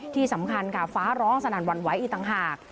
ที่สำคัญค่ะฟ้าร้องสนั่นหวั่นไหวอีกต่างหาก